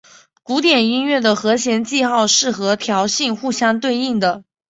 古典音乐的和弦记号是和调性互相对应的。